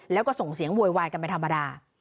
แล้วก็ส่งเสียงโวยวายกันไปธรรมดา